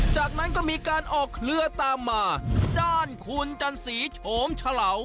จากนั้นก็มีการออกเครือตามมาด้านคุณจันสีโฉมเฉลา